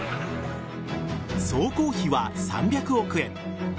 総工費は３００億円。